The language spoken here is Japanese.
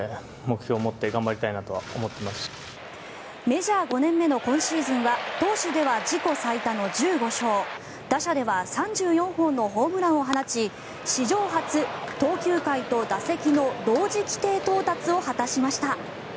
メジャー５年目の今シーズンは投手では自己最多の１５勝打者では３４本のホームランを放ち史上初、投球回と打席の同時規定到達を果たしました。